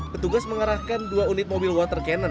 petugas mengerahkan dua unit mobil water cannon